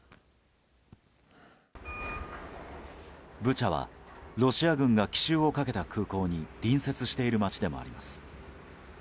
ブチャはロシア軍が奇襲をかけた空港に隣接している町でもあります。